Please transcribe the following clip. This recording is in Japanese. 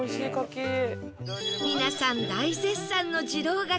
皆さん大絶賛の次郎柿